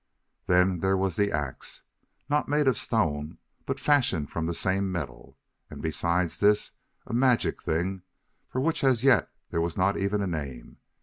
Then there was the ax! Not made of stone but fashioned from the same metal! And besides this a magic thing for which as yet there was not even a name!